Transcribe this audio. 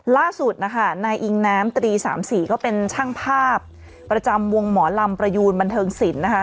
ล่าสุดนะคะนายอิงน้ำตรี๓๔ก็เป็นช่างภาพประจำวงหมอลำประยูนบันเทิงศิลป์นะคะ